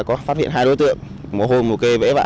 có phát hiện hai đối tượng mồ hôi mồ kê vẽ vã